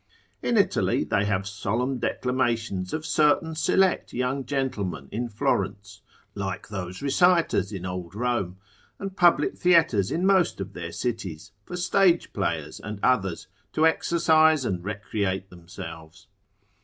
In Italy they have solemn declamations of certain select young gentlemen in Florence (like those reciters in old Rome), and public theatres in most of their cities, for stage players and others, to exercise and recreate themselves.